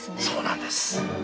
そうなんです。